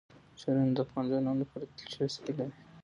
ښارونه د افغان ځوانانو لپاره دلچسپي لري.